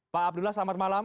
pak abdullah selamat malam